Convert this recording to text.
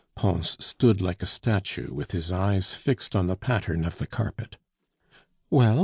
Pons stood like a statue, with his eyes fixed on the pattern of the carpet. "Well!